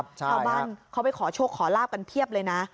ชาวบ้านเขาไปขอโชคขอลาบกันเพียบเลยนะ